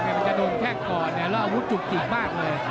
มันจะโดนแค่ก่อนเนี่ยแล้วอาวุธจุกจีบมากเลย